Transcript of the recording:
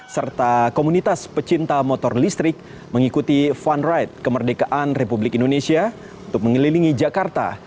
serta komunitas pecinta motor listrik mengikuti fun ride kemerdekaan republik indonesia untuk mengelilingi jakarta